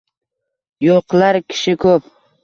Yo’qlar kishi ko’p.